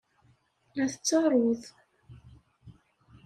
La tettaruḍ.